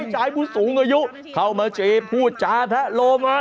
ชายผู้สูงอายุเข้ามาเจพูดจาแทะโลมา